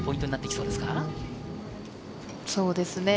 そうですね。